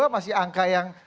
enam puluh dua masih angka yang